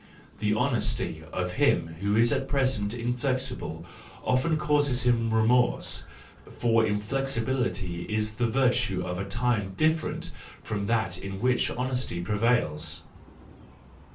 — The honesty of him who is at present inflexible often causes him remorse; for inflexibility is the virtue of a time different from that in which honesty prevails.